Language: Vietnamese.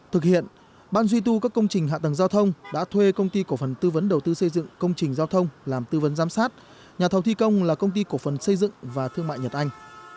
thực hiện ban duy tu các công trình hạ tầng giao thông đã thuê công ty cổ phần tư vấn đầu tư xây dựng công trình giao thông làm tư vấn giám sát nhà thầu thi công là công ty cổ phần xây dựng và thương mại nhật anh